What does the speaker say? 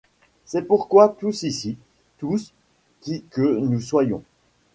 C'est pourquoi tous ici, tous, qui que nous soyons